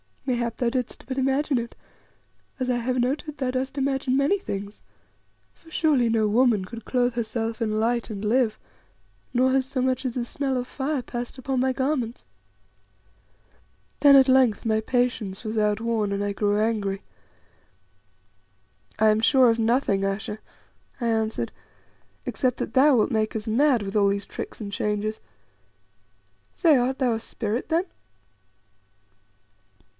Mayhap thou didst but imagine it, as I have noted thou dost imagine many things; for surely no woman could clothe herself in light and live, nor has so much as the smell of fire passed upon my garments." Then at length my patience was outworn, and I grew angry. "I am sure of nothing, Ayesha," I answered, "except that thou wilt make us mad with all these tricks and changes. Say, art thou a spirit then?"